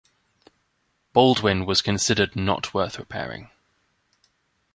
"Baldwin" was considered not worth repairing.